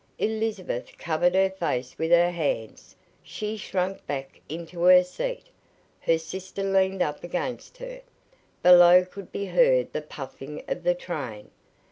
Elizabeth covered her face with her hands. She shrank back into her seat. Her sister leaned up against her. Below could be heard the puffing of the train.